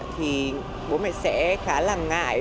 thì bố mẹ sẽ khá là ngại